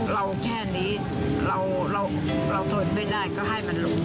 เราแค่นี้เราทนไม่ได้ก็ให้มันหลุด